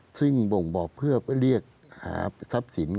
ซึ่งบ่งบอกเพื่อเรียกหาทรัพย์สิน